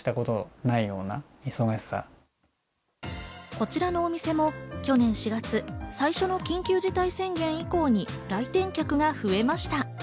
こちらのお店も去年４月、最初の緊急事態宣言以降に来店客が増えました。